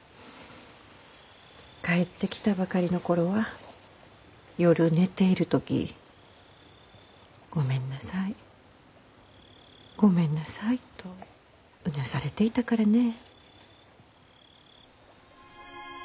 帰ってきたばかりの頃は夜寝ている時「ごめんなさいごめんなさい」とうなされていたからね。